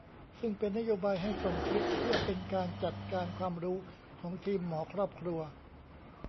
ซึ่งเป็นนโยบายให้ส่งคลิปเพื่อเป็นการจัดการความรู้ของทีมหมอครอบครัว